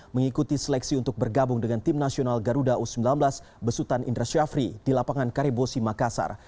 mengikuti seleksi untuk bergabung dengan tim nasional garuda u sembilan belas besutan indra syafri di lapangan karibosi makassar